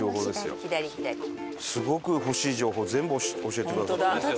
すごく欲しい情報全部教えてくださった。